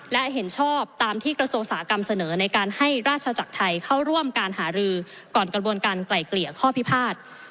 และเห็นชอบตามที่กระทรวงอุตสาหกรรมเสนอในการให้ราชจักรไทยเข้าร่วมการหารือก่อนกระบวนการไกล่เกลี่ยข้อพิพาท